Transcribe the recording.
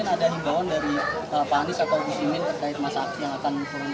dan terkait dengan itu juga informasinya ada masyarakat yang akan pulih